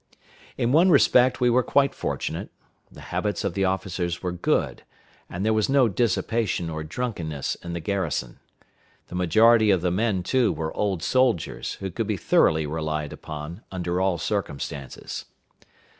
In one respect we were quite fortunate: the habits of the officers were good, and there was no dissipation or drunkenness in the garrison. The majority of the men, too, were old soldiers, who could be thoroughly relied upon under all circumstances.